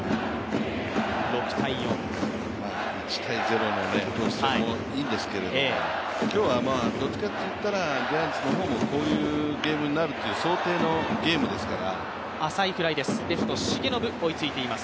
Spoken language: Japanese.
１−１の展開もいいですが今日はどっちかといったら、ジャイアンツの方もこういうゲームになるという想定のゲームですから。